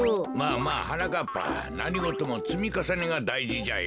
はなかっぱなにごともつみかさねがだいじじゃよ。